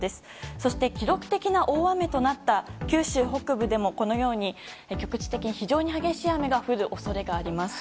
そして記録的な大雨となった九州北部でもこのように局地的に非常に激しい雨が降る恐れがあります。